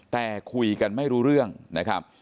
แต่คุยกันไม่รู้เรื่องนะครับ